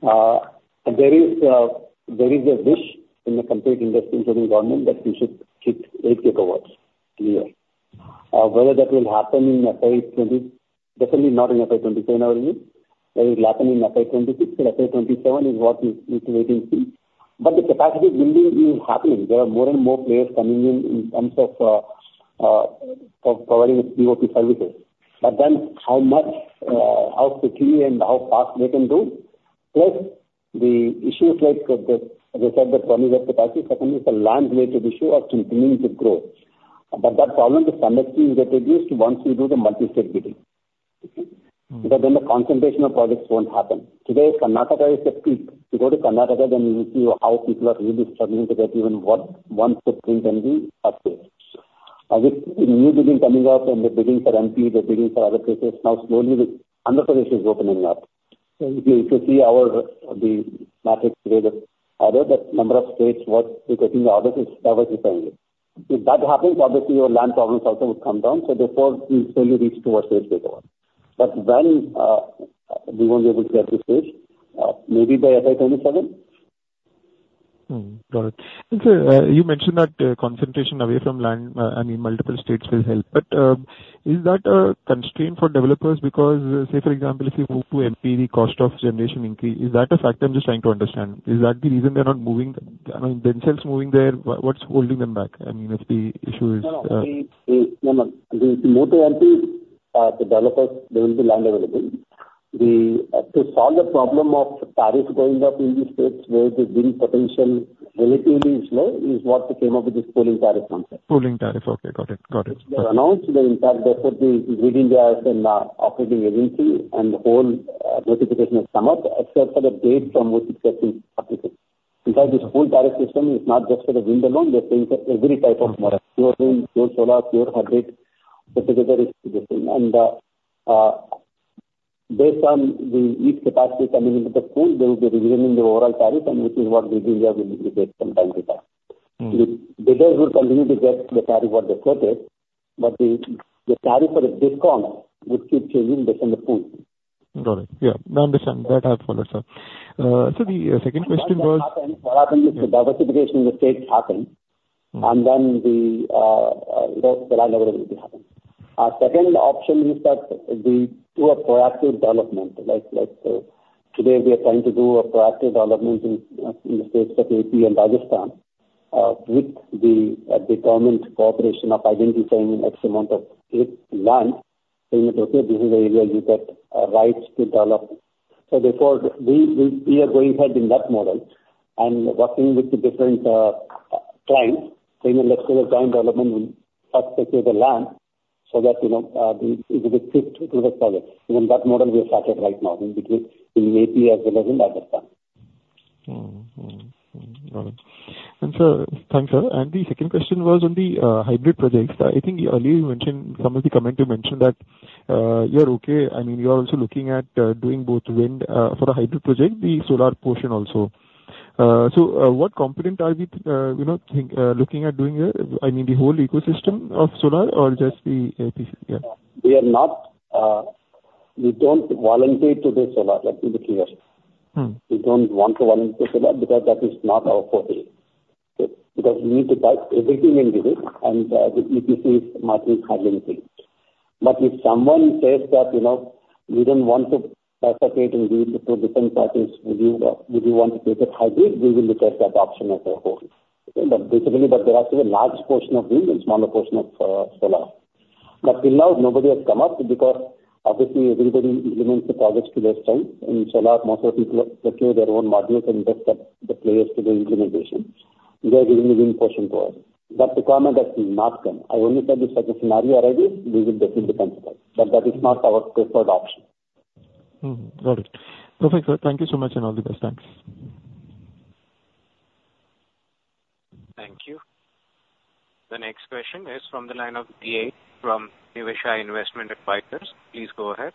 S3: There is a wish in the complete industry, including government, that we should hit 8 gigawatts a year. Whether that will happen in FY 2027. Definitely not in FY 2027 or 2028. That will happen in FY 2026, and FY 2027 is what we are waiting to see. But the capacity building is happening. There are more and more players coming in, in terms of providing PoP services. But then, how much, how quickly and how fast they can do, plus the issues like, the, as I said, the funding capacity, second is the land-related issue are continuing to grow. But that problem is somewhat being reduced once you do the multi-stage bidding. Okay?
S12: Mm-hmm.
S3: Because then the concentration of projects won't happen. Today, Karnataka is a peak. You go to Karnataka, then you will see how people are really struggling to get even one, one footprint in the, state. Now with new bidding coming out and the bidding for MP, the bidding for other places, now slowly the other states is opening up. So if you, if you see our, the matrix today, the order, the number of states where we're getting the orders is diversifying. If that happens, obviously your land problems also would come down, so therefore you slowly reach towards 8 gigawatt. But when, we won't be able to get this stage, maybe by FY 2027.
S12: Mm-hmm. Got it. And, sir, you mentioned that, concentration away from land, I mean, multiple states will help. But, is that a constraint for developers? Because, say for example, if you move to MP, the cost of generation increase. Is that a factor? I'm just trying to understand. Is that the reason they're not moving, I mean, themselves moving there, what, what's holding them back? I mean, if the issue is,
S3: No, no. If you move to MP, the developers, there will be land available. To solve the problem of tariff going up in the states where there's been potential generating-... is what we came up with this pooling tariff concept.
S12: Pooling tariff. Okay, got it. Got it.
S3: We announced, that in fact, therefore, the Grid India is an, operating agency, and the whole, notification has come up, except for the date from which it has been applicable. In fact, this pool tariff system is not just for the wind alone, they're saying for every type of model. Pure wind, pure solar, pure hybrid, etc., is the same. And, based on the each capacity coming into the pool, they will be reviewing the overall tariff, and which is what Grid India will update from time to time.
S12: Mm.
S3: The bidders will continue to get the tariff what they quoted, but the tariff for the discount would keep changing based on the pool.
S12: Got it. Yeah, now I understand. That I have followed, sir. So the second question was-
S3: What happened is the diversification in the states happened-
S12: Mm.
S3: and then the, those availability happened. Our second option is that we do a proactive development, like, like, today we are trying to do a proactive development in, in the states of AP and Rajasthan, with the, the government's cooperation of identifying X amount of state land, saying that, "Okay, this is the area you get, rights to develop." So therefore, we are going ahead in that model and working with the different, clients, saying that, "Let's do a joint development and first secure the land," so that, you know, the- it will fit to the project. In that model we have started right now, in between, in AP as well as in Rajasthan.
S12: Mm-hmm. Mm. Got it. And sir, thanks, sir. And the second question was on the hybrid projects. I think you earlier mentioned, some of the comment you mentioned that you are okay, I mean, you are also looking at doing both wind for a hybrid project, the solar portion also. So, what component are we you know think looking at doing here, I mean, the whole ecosystem of solar or just the AP, yeah?
S3: We are not, we don't volunteer to do solar, let me be clear.
S12: Mm.
S3: We don't want to volunteer to solar because that is not our forte. Okay? Because you need to price everything in detail, and the EPC is much handling things. But if someone says that, "You know, we don't want to participate and do the two different packages, would you, would you want to do the hybrid?" We will look at that option as a whole. But basically, but there are still a large portion of wind and smaller portion of solar. But till now nobody has come up, because obviously everybody limits the projects to their strength. In solar, most of the people are putting their own modules and just up the players to the implementation. They are giving the wind portion to us. That requirement has not come. I only said if such a scenario arises, we will definitely consider, but that is not our preferred option.
S12: Mm. Got it. Perfect, sir. Thank you so much, and all the best. Thanks.
S1: Thank you. The next question is from the line of G.A. from Niveshaay Investment Advisors. Please go ahead.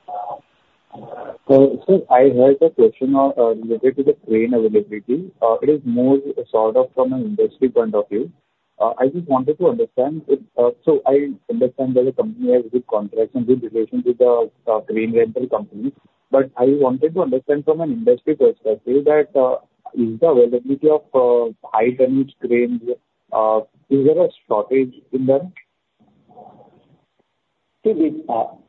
S13: So, sir, I had a question on related to the crane availability. It is more sort of from an industry point of view. I just wanted to understand, so I understand that the company has good contracts and good relations with the crane rental company, but I wanted to understand from an industry perspective that is the availability of high-tonnage cranes. Is there a shortage in them?
S3: See, the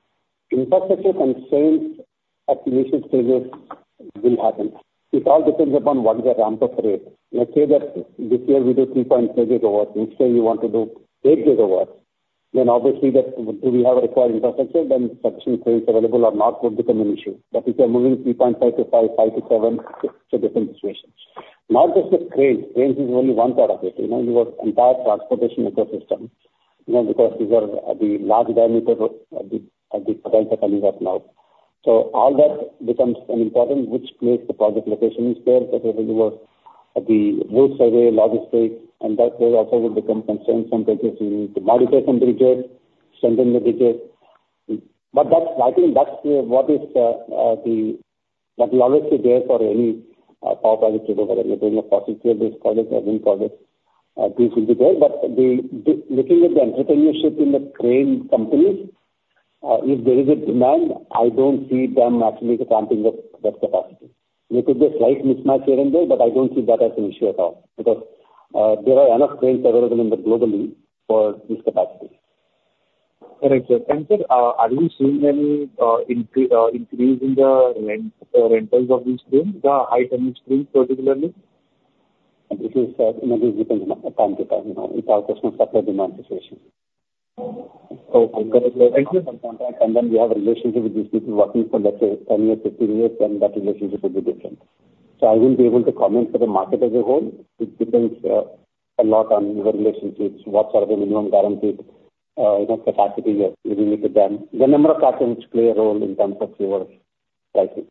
S3: infrastructure constraints at initial stages will happen. It all depends upon what is the ramp up rate. Let's say that this year we do 3.5 GW, next year we want to do 8 GW, then obviously that, do we have a required infrastructure, then sufficient cranes available or not, would become an issue. But if you are moving 3.5-5 GW, 5-7 GW, it's a different situation. Not just the cranes, cranes is only one part of it, you know, your entire transportation ecosystem, you know, because these are the large diameter of the projects are coming up now. So all that becomes an important, which place the project location is there, because it will be work, the road survey, logistics, and that way also will become constraints. Sometimes you need to modify some bridges, strengthen the bridges. But that's, I think that's what is the... That will always be there for any power project, whether you're doing a fossil fuel-based project or wind project, these will be there. But the looking at the entrepreneurship in the crane companies, if there is a demand, I don't see them not making the ramping of that capacity. There could be a slight mismatch here and there, but I don't see that as an issue at all, because there are enough cranes available globally for this capacity.
S13: Correct, sir. And sir, are we seeing any increase in the rent, rentals of these cranes, the high-tonnage cranes particularly?
S3: This is, you know, it depends on time to time, you know, it's also a supply-demand situation.
S13: Okay.
S3: Then we have a relationship with these people working for, let's say, 10 years, 15 years, then that relationship will be different. So I won't be able to comment for the market as a whole. It depends, a lot on your relationships, what sort of a minimum guaranteed, you know, capacity you're giving it to them. The number of factors which play a role in terms of your pricing.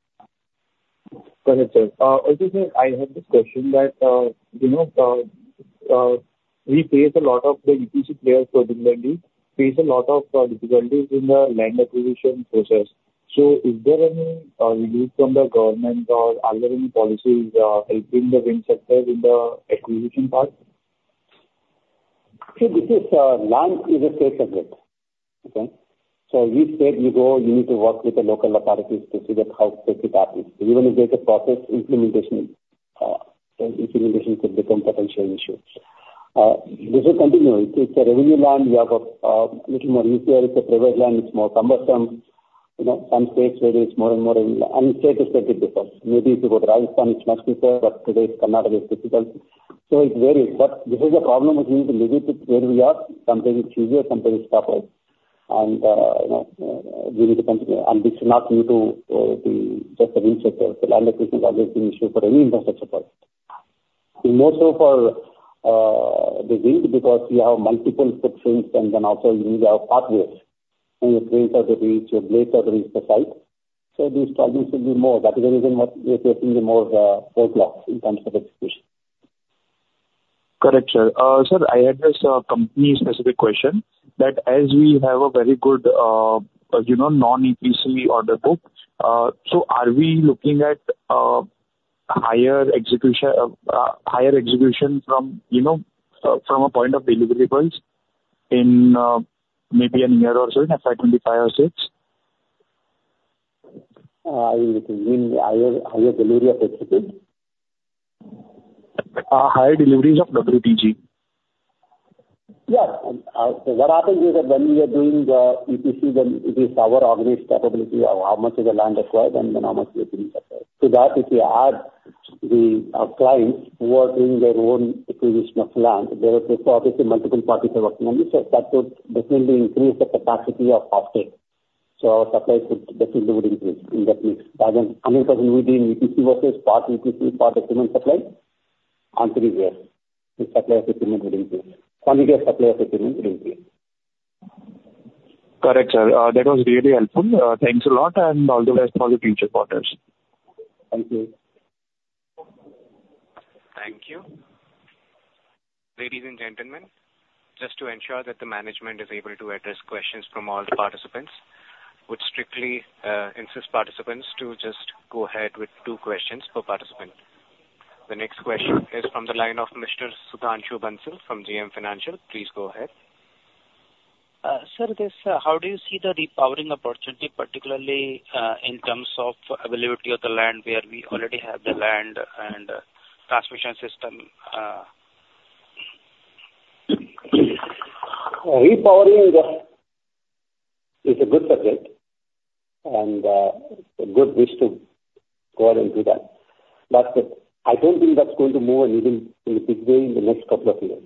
S13: Got it, sir. Also, sir, I had this question that, you know, we face a lot of the EPC players particularly, face a lot of, difficulties in the land acquisition process. So is there any, relief from the government or are there any policies, helping the wind sector in the acquisition part?
S3: See, this is land is a state subject. Okay? So each state you go, you need to work with the local authorities to see that how strict it are. Even if there's a process, implementation, so implementation could become potential issues. This will continue. If it's a revenue land, you have a little more easier; if it's a private land, it's more cumbersome. You know, some states where it's more and more... And state to state it differs. Maybe if you go to Rajasthan, it's much easier, but today Karnataka is difficult. So it varies, but this is a problem which we need to live with where we are. Sometimes it's easier, sometimes it's tougher... and, you know, we need to continue. And this is not new to, the, just the wind sector. Land acquisition has always been an issue for any infrastructure project. More so for the wind, because you have multiple sections, and then also you need to have pathways, and your cranes have to reach, your blades have to reach the site. These problems will be more. That is the reason what we are facing the more roadblocks in terms of execution.
S13: Correct, sir. Sir, I had this company-specific question: That as we have a very good, you know, non-increasingly order book, so are we looking at higher execution, higher execution from, you know, from a point of delivery point in maybe a year or so, in FY 2025 or 2026?
S3: You mean higher, higher delivery of inaudible?
S13: Higher deliveries of WPG.
S3: Yeah. So what happens is that when we are doing the, [inaudible] then it is our organized capability of how much is the land acquired, and then how much we are. [inaudible] To that, if you add the our clients who are doing their own acquisition of land, there are obviously multiple parties are working on it. So that would definitely increase the capacity of offtake, so our supply could definitely would increase in that mix. Other than [inaudible] versus part, [inaudible] part equipment supply onto the year, the supply of equipment would increase. Finally, our supply of equipment would increase.
S13: Correct, sir. That was really helpful. Thanks a lot, and all the best for the future quarters.
S3: Thank you.
S1: Thank you. Ladies and gentlemen, just to ensure that the management is able to address questions from all the participants, would strictly insist participants to just go ahead with two questions per participant. The next question is from the line of Mr. Sudhanshu Bansal from JM Financial. Please go ahead.
S2: Sir, how do you see the repowering opportunity, particularly, in terms of availability of the land, where we already have the land and transmission system?
S3: Repowering is a good subject, and a good wish to go out and do that. But I don't think that's going to move anything in a big way in the next couple of years.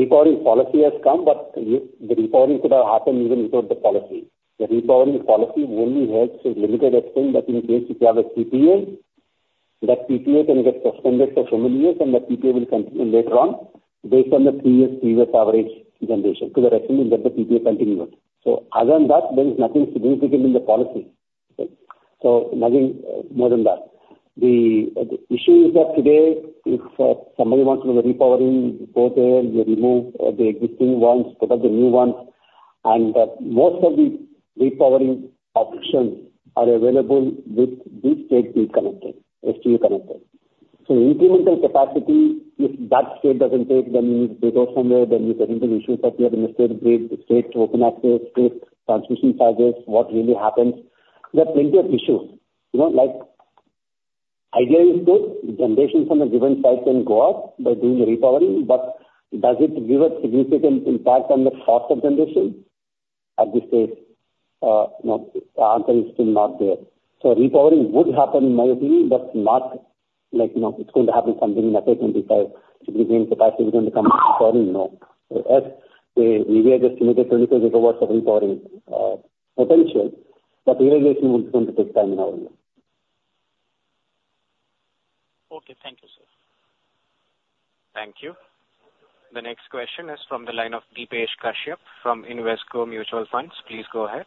S3: Repowering policy has come, but the repowering could have happened even without the policy. The repowering policy only helps to a limited extent that in case if you have a PPA, that PPA can get suspended for some years, and that PPA will continue later on, based on the previous, previous average generation to the rest, and then the PPA continues. So other than that, there is nothing significant in the policy. So nothing more than that. The issue is that today, if somebody wants to do repowering, you go there, you remove the existing ones, put up the new ones, and most of the repowering options are available with the state being connected, STU connected. So incremental capacity, if that state doesn't take, then you need to go somewhere, then you get into issues that you have inter-state grid, the state open access, state transmission charges. What really happens? There are plenty of issues. You know, like, ideally said, generation from a given site can go up by doing repowering, but does it give a significant impact on the cost of generation at this stage? You know, the answer is still not there. So repowering would happen in my opinion, but not like, you know, it's going to happen something. So as we were just limited 24 gigawatts of repowering potential, but the realization is going to take time now.
S2: Okay, thank you, sir.
S1: Thank you. The next question is from the line of Deepesh Kashyap from Invesco Mutual Fund. Please go ahead.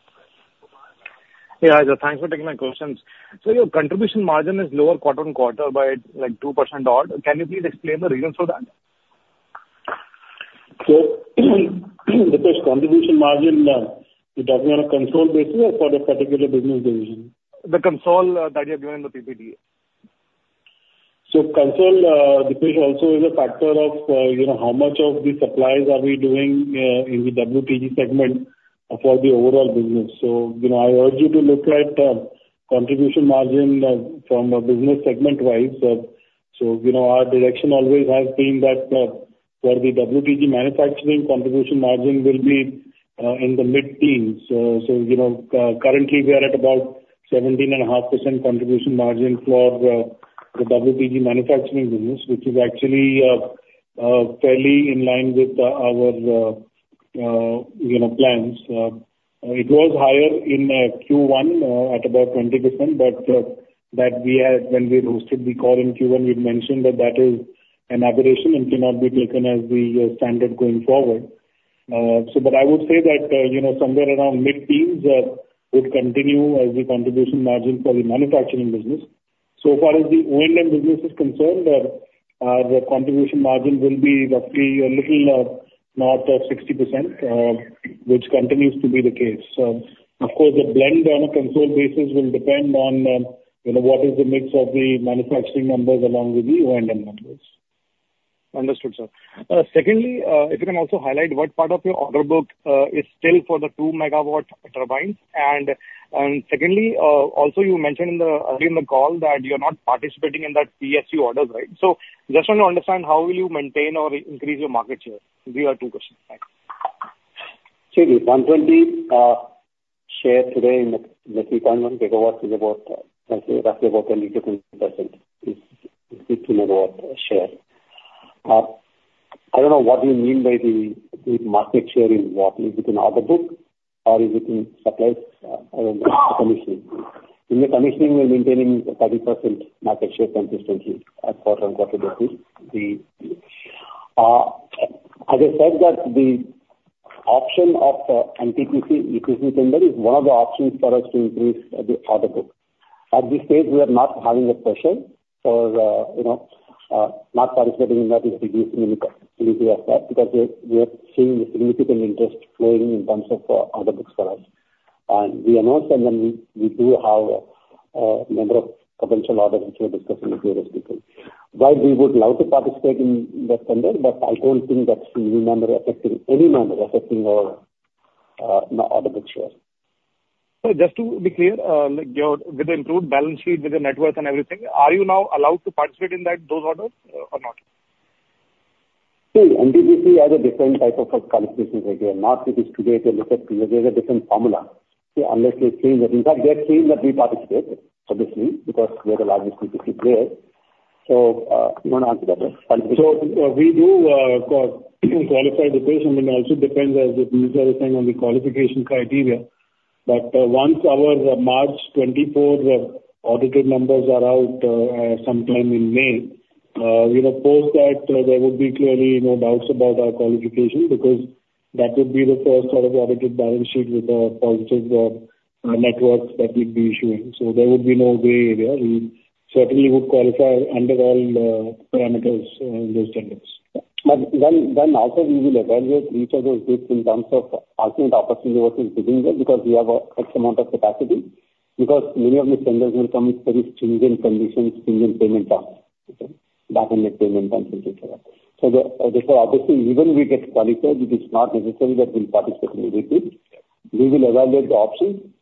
S14: Yeah, thanks for taking my questions. So your contribution margin is lower quarter-on-quarter by, like, 2% odd. Can you please explain the reason for that?
S3: The first contribution margin, you're talking on a consolidated basis or for a particular business division?
S14: The consol that you have given in the PPT.
S3: So consol, Deepesh, also is a factor of, you know, how much of the supplies are we doing in the WPG segment for the overall business. So, you know, I urge you to look at contribution margin from a business segment-wise. So, you know, our direction always has been that for the WPG manufacturing, contribution margin will be in the mid-teens. So, you know, currently, we are at about 17.5% contribution margin for the WPG manufacturing business, which is actually fairly in line with our, you know, plans. It was higher in Q1 at about 20%, but that we had when we hosted the call in Q1, we'd mentioned that that is an aberration and cannot be taken as the standard going forward. But I would say that, you know, somewhere around mid-teens would continue as the contribution margin for the manufacturing business. So far as the wind farm business is concerned, the contribution margin will be roughly a little north of 60%, which continues to be the case. Of course, the blend on a consolidated basis will depend on, you know, what is the mix of the manufacturing numbers along with the OEM numbers.
S14: Understood, sir. Secondly, if you can also highlight what part of your order book is still for the 2 megawatt turbines? And secondly, also you mentioned earlier in the call that you're not participating in that PSU orders, right? So just want to understand, how will you maintain or increase your market share? These are two questions. Thank you.
S3: See, the 120 share today in the, in the 3.1 gigawatts is about, roughly, roughly about 22%. It's 15 megawatts share. I don't know, what do you mean by the, the market share in what? Is it in order book or is it in suppliers or commissioning? In the commissioning, we're maintaining 30% market share consistency as far as I'm concerned with the. As I said, that the option of NTPC equipment tender is one of the options for us to increase the order book. At this stage, we are not having a position for, you know, not participating in that is reducing any capacity as such, because we're, we are seeing significant interest flowing in terms of order books for us. We announced, and then we, we do have a number of potential orders which we discussed in the previous meeting. While we would love to participate in this tender, but I don't think that's significant number affecting, any number affecting our, no, order book share.
S14: So just to be clear, like your, with the improved balance sheet, with the net worth and everything, are you now allowed to participate in that, those orders or not?
S3: See, NTPC has a different type of qualifications. They are not with this today, they look at. There's a different formula. See, unless they say that, in fact, they are saying that we participate, obviously, because we are the largest NTPC player. So, you want to answer that one?
S4: So we do, of course, qualify the case, and it also depends as it means everything on the qualification criteria. But, once our March 2024 audited numbers are out, sometime in May, we report that there would be clearly no doubts about our qualification, because that would be the first sort of audited balance sheet with a positive net worth that we'd be issuing. So there would be no gray area. We certainly would qualify under all the parameters in those tenders.
S3: But then also we will evaluate each of those bids in terms of ultimate opportunity, what is within there, because we have a huge amount of capacity, because many of these tenders will come with very stringent conditions, stringent payment terms, okay? Documentary payment terms, and so forth. So therefore, obviously, even if we get qualified, it is not necessary that we'll participate in every bid. We will evaluate the option,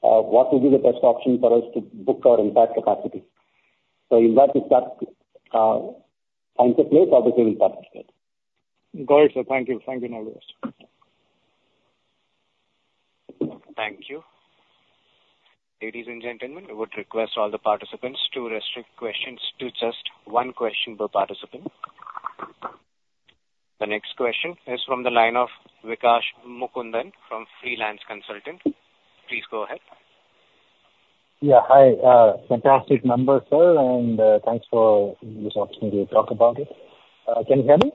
S3: what will be the best option for us to book our entire capacity. So if that is that, finds a place, obviously we'll participate.
S14: Got it, sir. Thank you. Thank you very much.
S1: Thank you. Ladies and gentlemen, I would request all the participants to restrict questions to just one question per participant. The next question is from the line of Vikash Mukundan from Freelance Consulting. Please go ahead.
S15: Yeah, hi. Fantastic number, sir, and thanks for this opportunity to talk about it. Can you hear me?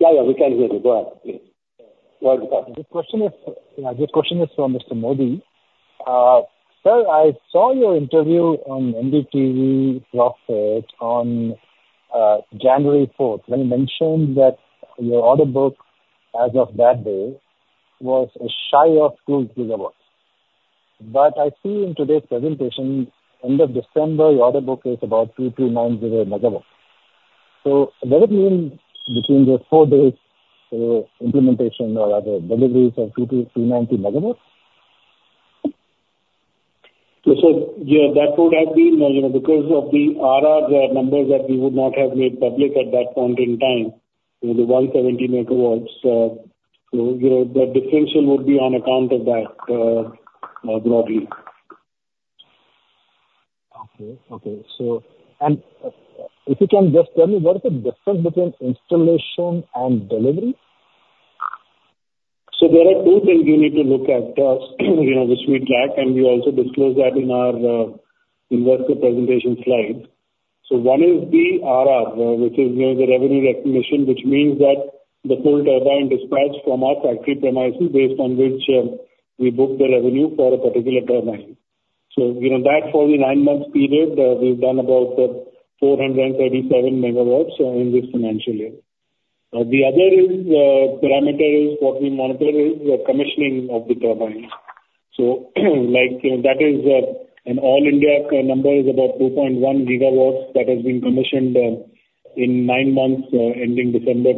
S4: Yeah, yeah, we can hear you. Go ahead, please.
S15: This question is, this question is for Mr. Mody. Sir, I saw your interview on NDTV Profit on January fourth, when you mentioned that your order book as of that day was a shy of 2 gigawatts. But I see in today's presentation, end of December, your order book is about 2,390 megawatts. So does it mean between the 4 days, implementation or rather deliveries of 2,390 megawatts?
S4: So, sir, yeah, that would have been, you know, because of the RRs numbers that we would not have made public at that point in time, you know, the 170 megawatts. So, you know, the differential would be on account of that, broadly.
S15: Okay. Okay, so... And, if you can just tell me what is the difference between installation and delivery?
S4: So there are two things we need to look at, you know, which we track, and we also disclose that in our investor presentation slides. So one is the RR, which is, you know, the revenue recognition, which means that the full turbine dispatched from our factory premises based on which, we book the revenue for a particular turbine. So, you know, that for the nine months period, we've done about 437 MW in this financial year. The other is parameter is what we monitor is the commissioning of the turbines. So, like, that is an all-India number is about 2.1 GW that has been commissioned in nine months ending December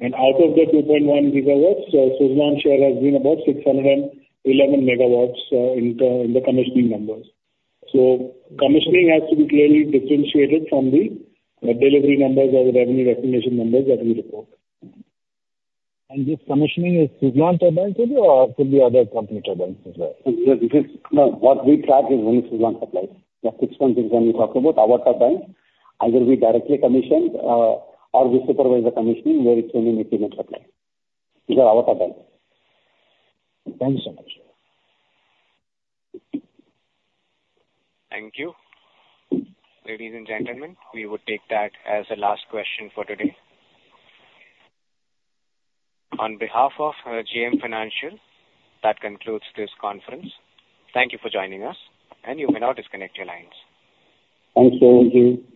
S4: 2023. Out of the 2.1 gigawatts, Suzlon share has been about 611 megawatts in the commissioning numbers. Commissioning has to be clearly differentiated from the delivery numbers or the revenue recognition numbers that we report.
S15: This commissioning is Suzlon turbines only or could be other company turbines as well?
S3: It is, no. What we track is only Suzlon supplies. The 6161 we talked about, our turbines, either we directly commission, or we supervise the commissioning where it's an equipment supply. These are our turbines.
S15: Thank you so much.
S1: Thank you. Ladies and gentlemen, we would take that as the last question for today. On behalf of JM Financial, that concludes this conference. Thank you for joining us, and you may now disconnect your lines.
S4: Thank you. Thank you.